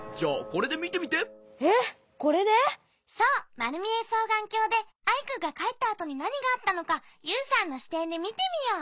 まるみえそうがんきょうでアイくんがかえったあとになにがあったのかユウさんのしてんでみてみよう。